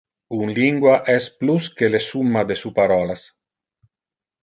Un lingua es plus que le summa de su parolas.